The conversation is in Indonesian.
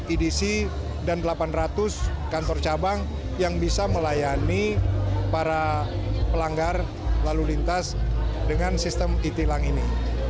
edc dan delapan ratus kantor cabang yang bisa melayani para pelanggar lalu lintas dengan sistem e tilang ini